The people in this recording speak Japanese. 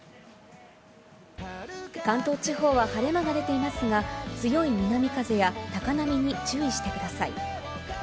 関東地方は晴れ間がでていますが、強い南風や高波に注意してください。